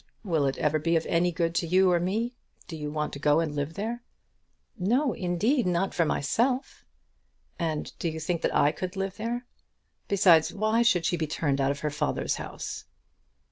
Will it ever be of any good to you or me? Do you want to go and live there?" "No, indeed; not for myself." "And do you think that I could live there? Besides, why should she be turned out of her father's house?"